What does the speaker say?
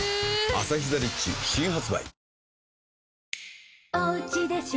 「アサヒザ・リッチ」新発売